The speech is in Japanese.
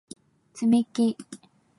つみき